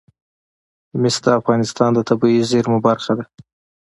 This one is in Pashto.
مس د افغانستان د طبیعي زیرمو برخه ده.